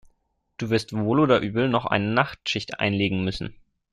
Du wirst wohl oder übel noch eine Nachtschicht einlegen müssen.